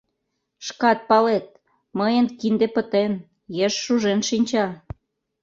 —...Шкат палет: мыйын кинде пытен, еш шужен шинча...